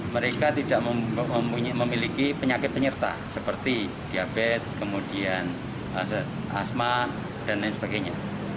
mereka tidak memiliki penyakit penyerta seperti diabetes kemudian asma dan lain sebagainya